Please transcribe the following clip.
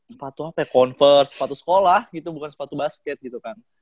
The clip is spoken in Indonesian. sepatu apa kayak convert sepatu sekolah gitu bukan sepatu basket gitu kan